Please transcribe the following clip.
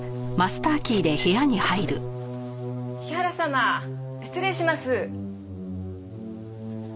木原様失礼します。